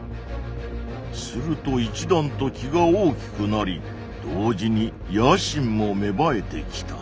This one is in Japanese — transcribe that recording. すると一段と気が大きくなり同時に野心も芽生えてきた。